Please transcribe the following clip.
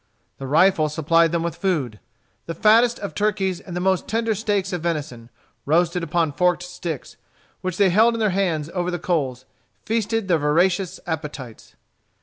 The rifle supplied them with food. The fattest of turkeys and the most tender steaks of venison, roasted upon forked sticks, which they held in their hands over the coals, feasted their voracious appetites.